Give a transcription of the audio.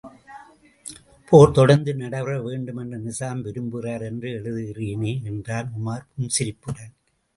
போர் தொடர்ந்து நடைபெற வேண்டுமென்று நிசாம் விரும்புகிறார் என்று எழுதுகிறேனே! என்றான் உமார் புன்சிரிப்புடன்!